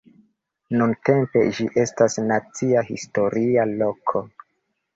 Nuntempe, ĝi estas nacia historia loko.